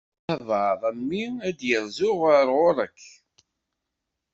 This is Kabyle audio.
Abɛaḍ a mmi ad d-yerzu ɣer ɣur-k.